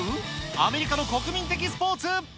アメリカの国民的スポーツ。